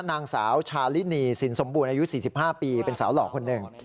นางสาวชาลินีสินสมบูรณ์อายุ๔๕ปีเป็นสาวหล่อคนหนึ่ง